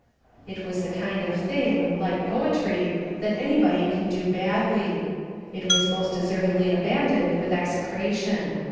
It was the kind of thing like poetry that anybody can do badly. It was most deservedly abandoned with execration.